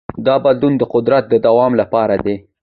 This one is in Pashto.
دا بدلون د قدرت د دوام لپاره دی.